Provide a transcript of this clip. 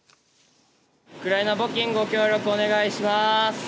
ウクライナ募金ご協力お願いします。